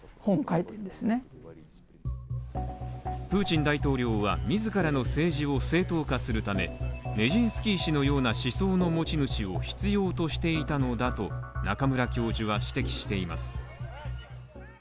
プーチン大統領は、自らの政治を正当化するためメジンスキー氏のような思想の持ち主を必要としていたのだと中村教授は指摘しています。